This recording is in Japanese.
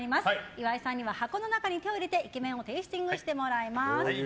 岩井さんには箱の中に手を入れてイケメンをテイスティングしてもらいます。